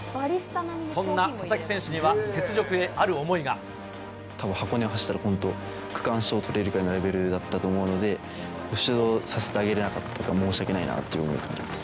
そんな佐々木選手には、雪辱へあたぶん、箱根を走ったら、区間賞とれるくらいのレベルだったと思うので、出場させてあげれなかったことが申し訳ないなという思いがあります。